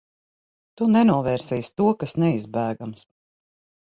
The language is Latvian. Tu nenovērsīsi to, kas neizbēgams.